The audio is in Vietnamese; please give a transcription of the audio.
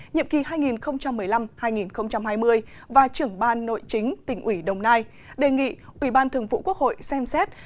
nhiệm kỳ hai nghìn một mươi năm hai nghìn hai mươi và trưởng ban nội chính tỉnh ủy đồng nai đề nghị ủy ban thường vụ quốc hội xem xét